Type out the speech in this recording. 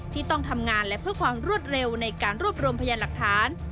ที่ต้องทำงานและเพื่อความรวดเร็วในการรวบรวมพยานหลักฐาน